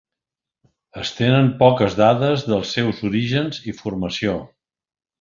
Es tenen poques dades dels seus orígens i formació.